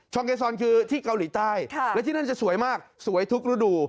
เกซอนคือที่เกาหลีใต้และที่นั่นจะสวยมากสวยทุกฤดู